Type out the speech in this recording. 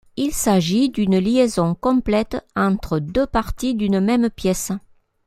Il s'agit d'une liaison complète entre deux parties d'une même pièce.